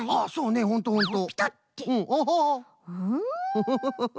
フフフフフ。